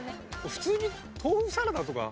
普通に豆腐サラダとか。